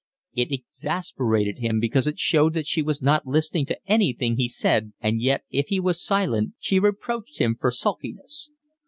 It exasperated him because it showed that she was not listening to anything he said, and yet, if he was silent, she reproached him for sulkiness.